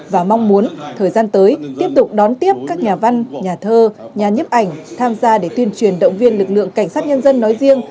và mong muốn thời gian tới tiếp tục đón tiếp các nhà văn nhà thơ nhà nhấp ảnh tham gia để tuyên truyền động viên lực lượng cảnh sát nhân dân nói riêng